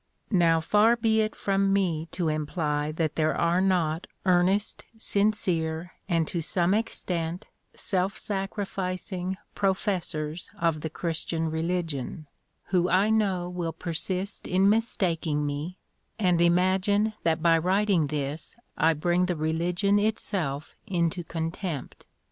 Now far be it from me to imply that there are not earnest, sincere, and to some extent self sacrificing, professors of the Christian religion, who I know will persist in mistaking me, and imagine that by writing this I bring the religion itself into contempt.